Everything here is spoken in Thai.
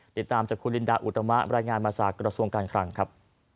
ติดตามจากคุณลินดาอุตมะรายงานมาจากกระทรวงการคลังครับ